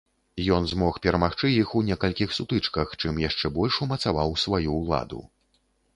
Ён змог перамагчы іх у некалькіх сутычках, чым яшчэ больш умацаваў сваю ўладу.